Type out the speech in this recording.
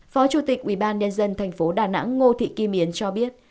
phó chủ tịch ubnd tp đà nẵng ngô thị kim yến cho biết